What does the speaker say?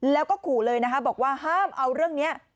แล้วก็ขู่เลยนะคะบอกว่าห้ามเอาเรื่องนี้